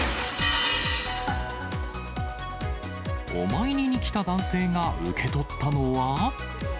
お参りに来た男性が受け取ったのは。